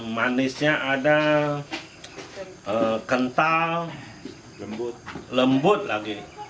manisnya ada kental lembut lagi